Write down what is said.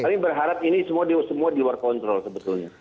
kami berharap ini semua di luar kontrol sebetulnya